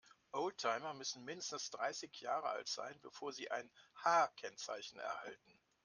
Oldtimer müssen mindestens dreißig Jahre alt sein, bevor sie ein H-Kennzeichen erhalten.